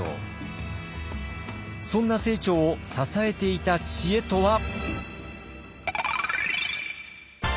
そんな清張を支えていた知恵とは？